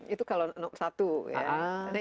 itu kalau satu ya